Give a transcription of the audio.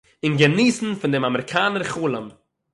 און געניסן פון דעם אַמעריקאַנער חלום